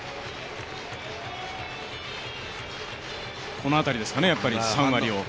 この辺りですかね、やっぱり３割を。